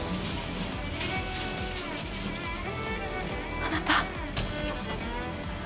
あなた。